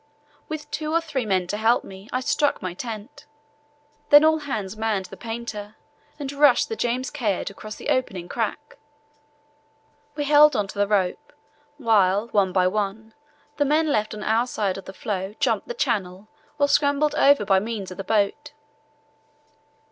With two or three men to help me I struck my tent; then all hands manned the painter and rushed the James Caird across the opening crack. We held to the rope while, one by one, the men left on our side of the floe jumped the channel or scrambled over by means of the boat.